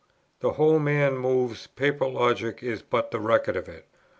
the whole man moves; paper logic is but the record of it.